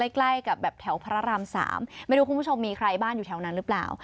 ใกล้กับแบบแถวพระราม๓ไม่รู้คุณผู้ชมมีใครบ้านอยู่แถวนั้นหรือเปล่า